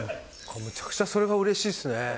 めちゃくちゃそれがうれしいですね。